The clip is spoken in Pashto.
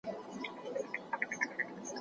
سایبري امنیت د ټولنې ډیجیټلي باور پیاوړی کوي.